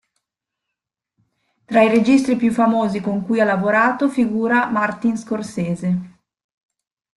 Tra i registi più famosi con cui ha lavorato, figura Martin Scorsese.